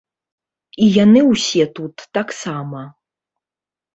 І яны ўсе тут таксама.